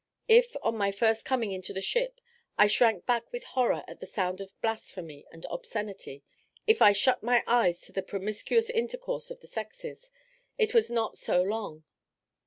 If, on my first coming into the ship, I shrank back with horror at the sound of blasphemy and obscenity if I shut my eyes to the promiscuous intercourse of the sexes, it was not so long.